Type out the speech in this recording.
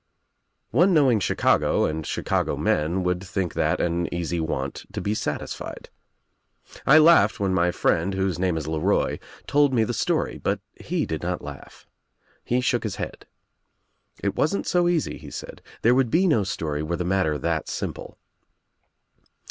One knowing Chicago and Chicago men would think that an easy want to be satisfied. 1 laughed when my friend — whose name is LeRoy — told me the story, but he did not laugh. He shook his head. "It wasn't so easy," he said. "There would be no story were the matter that simple."